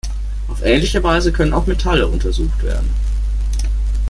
Auf ähnliche Weise können auch Metalle untersucht werden.